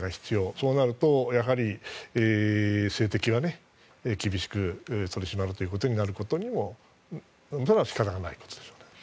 そうなるとやはり、政敵は厳しく取り締まるということになることにもそれは仕方ないと思います。